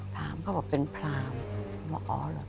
ถามก็บอกเป็นพราหมณ์